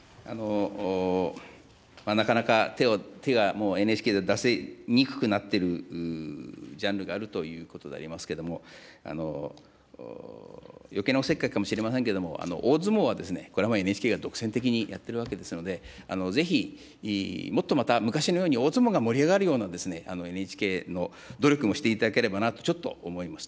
なかなか手が、もうＮＨＫでは出しにくくなってるジャンルがあるということでありますけれども、よけいなおせっかいかもしれませんけれども、大相撲は、これはＮＨＫが独占的にやってるわけですので、ぜひ、もっとまた昔のように大相撲が盛り上がるようなＮＨＫの努力もしていただければなと、ちょっと思います。